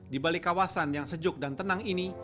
di balik kawasan yang sejuk dan tenang ini